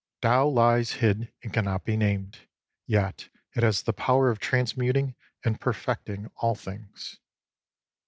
Tao lies hid and cannot be named, yet it has the power of transmuting and perfecting all things.